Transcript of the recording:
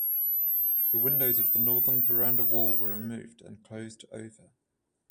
The windows of the northern verandah wall were removed and closed over.